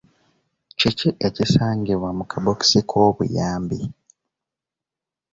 Kiki ekisangibwa mu kabookisi k'obuyambi?